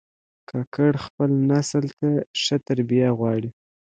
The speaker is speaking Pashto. کاکړ خپل نسل ته ښه تربیه غواړي.